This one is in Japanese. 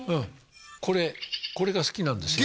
これこれが好きなんですよ